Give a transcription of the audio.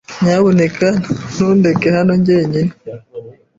Nyamuneka ntundeke hano jyenyine.